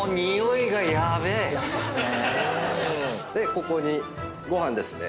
ここにご飯ですね。